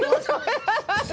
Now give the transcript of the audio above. ハハハハ！